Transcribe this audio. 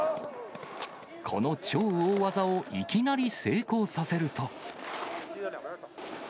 この超大技をいきなり成功させると。